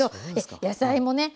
野菜もね